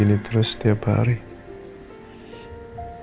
iya kou upgrading juga kotanya